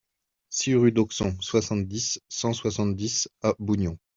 six rue d'Auxon, soixante-dix, cent soixante-dix à Bougnon